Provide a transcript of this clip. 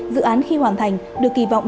dự án khi hoàn thành được kỳ vọng